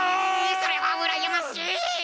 それはうらやましいっ！